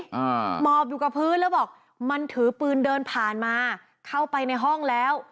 หมอบอยู่กับพื้นแล้วบอกมันถือปืนเดินผ่านมาเข้าไปในห้องแล้ว